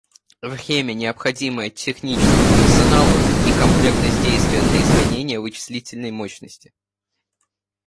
Время, необходимое техническому персоналу и комплексность действий для изменения вычислительной мощности